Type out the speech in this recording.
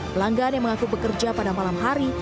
pelanggan yang mengaku bekerja pada malam hari